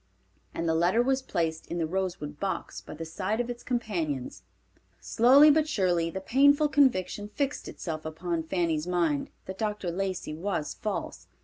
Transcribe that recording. And the letter was placed in the rosewood box by the side of its companions. Slowly but surely the painful conviction fixed itself upon Fanny's mind that Dr. Lacey was false.